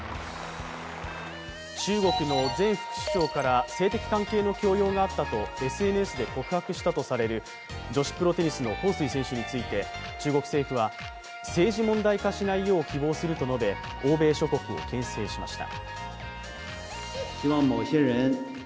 中国の前副首相から性的関係の強要があったとＳＮＳで告白したとされる女子プロテニスの彭帥選手について中国政府は、政治問題化しないよう希望すると述べ欧米諸国をけん制しました。